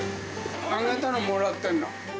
揚げたのもらってるの。